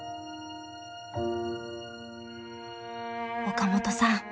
岡本さん